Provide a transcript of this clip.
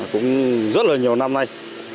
cũng rất là nhiều năm nay